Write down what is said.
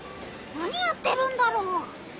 何やってるんだろう？